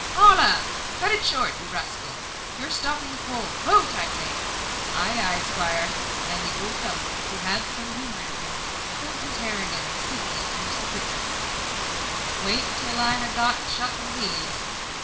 "Holloa! cut it short, you rascal; you're stopping the poll. Vote, I say." "Ay, ay, 'squire;" and the old fellow, who had some humour in him, pulled his hair again civilly to Mr. Brithwood. "Wait till I ha' got shut o' these."